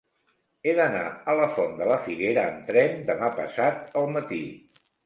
He d'anar a la Font de la Figuera amb tren demà passat al matí.